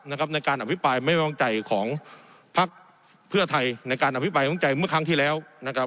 ในการอภิปัยไม่มั่งใจของพักเพื่อไทยในการอภิปัยไม่มั่งใจเมื่อครั้งที่แล้ว